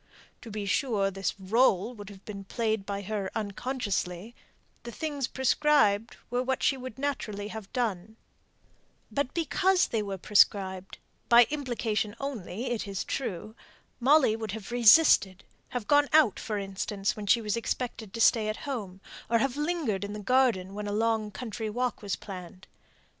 To be sure, this rÖle would have been played by her unconsciously; the things prescribed were what she would naturally have done; but because they were prescribed by implication only, it is true Molly would have resisted; have gone out, for instance, when she was expected to stay at home; or have lingered in the garden when a long country walk was planned.